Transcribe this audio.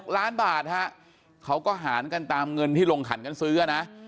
๖ล้านบาทฮะเขาก็หารกันตามเงินที่ลงขันกันซื้อนะ